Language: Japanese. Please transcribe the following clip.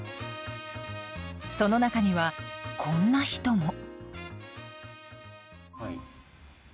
その中には、こんな人も。